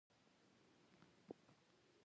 د قلم لیک د زړه خبرې دي.